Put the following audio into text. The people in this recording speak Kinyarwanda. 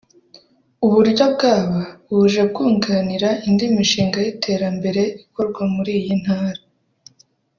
uburyo bwaba buje bwunganira indi mishinga y’iterambere ikorwa muri iyi ntara